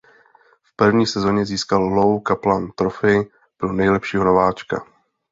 V první sezóně získal Lou Kaplan Trophy pro nejlepšího nováčka.